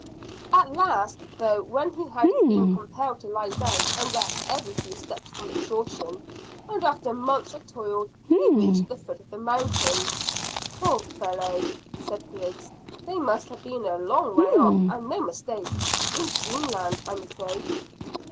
"At last, though, when he had been compelled to lie down and rest every few steps from exhaustion, and after months of toil, he reached the foot of the mountains." "Poor fellow!" said Griggs. "They must have been a long way off, and no mistake. In dreamland, I'm afraid."